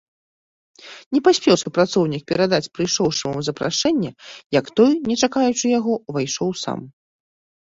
Не паспеў супрацоўнік перадаць прыйшоўшаму запрашэнне, як той, не чакаючы яго, увайшоў сам.